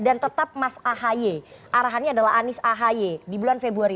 dan tetap mas ahi arahannya adalah anies ahi di bulan februari